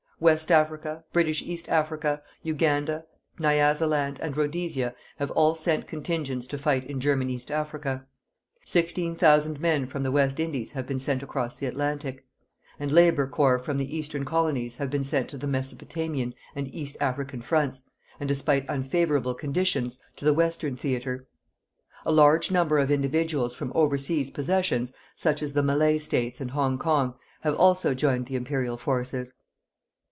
West Africa, British East Africa, Uganda, Nyasaland and Rhodesia have all sent contingents to fight in German East Africa. 16,000 men from the West Indies have been sent across the Atlantic; and labour corps from the Eastern Colonies have been sent to the Mesopotamian and East African fronts, and, despite unfavourable conditions, to the Western theatre. A large number of individuals from overseas possessions, such as the Malay States and Hong Kong, have also joined the Imperial forces.